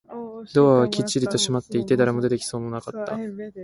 ドアはきっちりと閉まっていて、誰も出てきそうもなかった